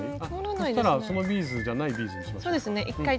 そしたらそのビーズじゃないビーズにしましょうか。